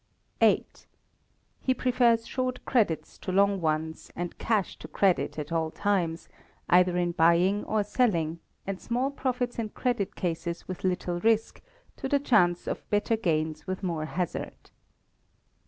viii. He prefers short credits to long ones; and cash to credit at all times, either in buying or selling; and small profits in credit cases with little risk, to the chance of better gains with more hazard.